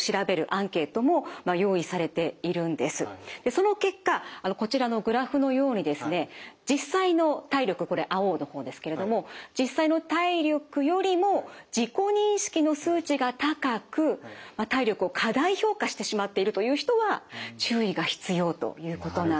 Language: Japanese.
その結果こちらのグラフのようにですね実際の体力これ青の方ですけれども実際の体力よりも自己認識の数値が高く体力を過大評価してしまっているという人は注意が必要ということなんです。